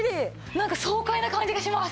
なんか爽快な感じがします。